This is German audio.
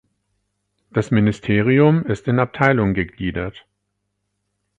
Das Ministerium ist in Abteilungen gegliedert.